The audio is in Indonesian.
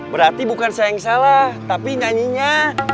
berarti bukan saya yang salah tapi nyanyinya